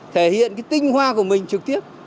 thể hiện cái tinh hoa của mình trực tiếp